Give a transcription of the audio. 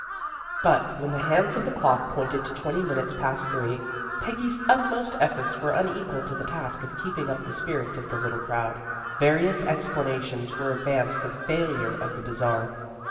But when the hands of the clock pointed to twenty minutes past three, Peggy's utmost efforts were unequal to the task of keeping up the spirits of the little crowd. Various explana tions were advanced for the failure of the Bazar.